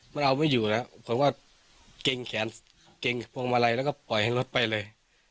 มันเอาไม่อยู่แล้วผมก็เกรงแขนเกรงพวงมาลัยแล้วก็ปล่อยให้รถไปเลย